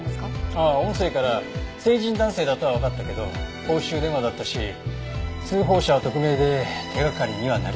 ああ音声から成人男性だとはわかったけど公衆電話だったし通報者は匿名で手がかりにはなりそうもないね。